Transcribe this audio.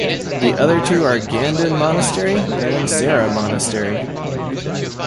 The other two are Ganden Monastery and Sera Monastery.